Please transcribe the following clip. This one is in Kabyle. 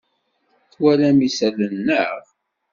Twalam isalan, naɣ?